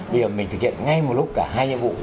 bây giờ mình thực hiện ngay một lúc cả hai nhiệm vụ